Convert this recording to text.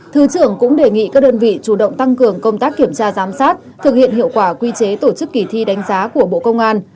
thứ trưởng cũng đề nghị các đơn vị chủ động tăng cường công tác kiểm tra giám sát thực hiện hiệu quả quy chế tổ chức kỳ thi đánh giá của bộ công an